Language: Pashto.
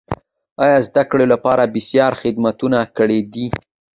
او زده کړو لپاره بېسارې خدمتونه کړیدي.